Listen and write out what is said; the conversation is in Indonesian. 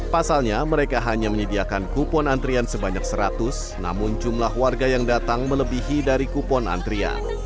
pasalnya mereka hanya menyediakan kupon antrian sebanyak seratus namun jumlah warga yang datang melebihi dari kupon antrian